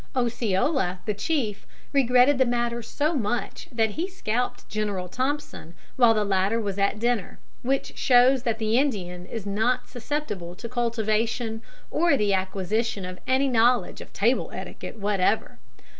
Osceola, the chief, regretted the matter so much that he scalped General Thompson while the latter was at dinner, which shows that the Indian is not susceptible to cultivation or the acquisition of any knowledge of table etiquette whatever.